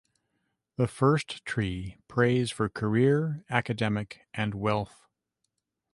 The first tree prays for career, academic and wealth.